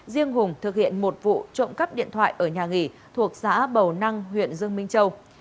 riêng hùng thực hiện một vụ trộm cắp điện thoại ở nhà nghỉ thuộc xã bầu năng huyện dương minh châu